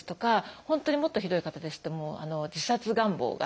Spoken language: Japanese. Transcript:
本当にもっとひどい方ですと自殺願望が。